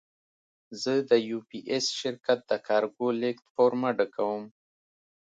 زه د یو پي ایس شرکت د کارګو لېږد فورمه ډکوم.